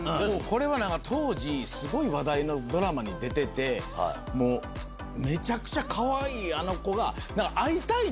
これは当時すごい話題のドラマに出ててめちゃくちゃかわいいあの子が。